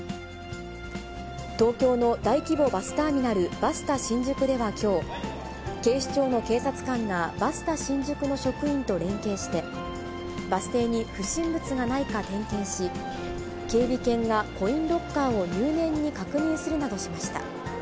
東京の大規模バスターミナル、バスタ新宿ではきょう、警視庁の警察官がバスタ新宿の職員と連携して、バス停に不審物がないか点検し、警備犬がコインロッカーを入念に確認するなどしました。